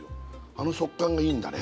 あの食感がいいんだね